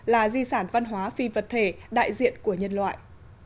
là di sản văn hóa phi vật thể đại diện của nhân loại